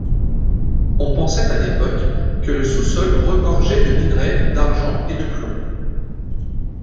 On pensait à l'époque que le sous-sol regorgeait de minerai d'argent et de plomb.